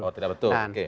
oh tidak betul oke